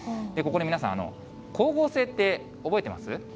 ここで皆さん、光合成って覚えてます？